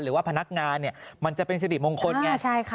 หรือว่าพนักงานมันจะเป็นสิทธิบงคตไง